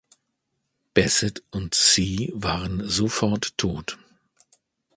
Bassett und See waren sofort tot.